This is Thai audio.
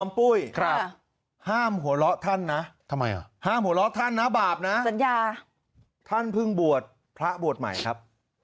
คำปุ้ยครับห้ามหัวเราะท่านนะห้ามหัวเราะท่านนะบาปนะท่านพึ่งบวชพระบวชใหม่ครับ